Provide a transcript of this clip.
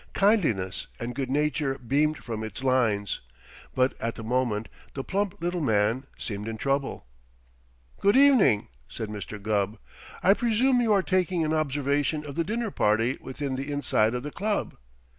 Kindliness and good nature beamed from its lines; but at the moment the plump little man seemed in trouble. "Good evening," said Mr. Gubb. "I presume you are taking an observation of the dinner party within the inside of the club."